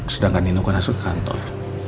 sedangkan nino kan masuk kantor